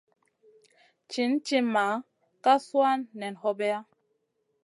Cina timma ka suanu nen hobeya.